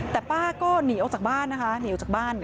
แต่ป้าก็หนีออกจากบ้านนะคะ